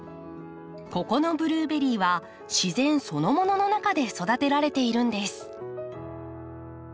ここのブルーベリーは自然そのものの中で育てられているんです。